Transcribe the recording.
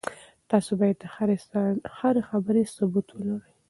تاسي باید د هرې خبرې ثبوت ولرئ.